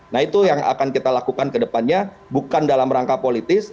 nah itu yang akan kita lakukan kedepannya bukan dalam rangka politis